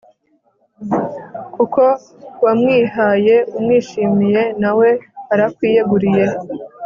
kuko wamwihaye umwishimiye nawe arakwiyeguriye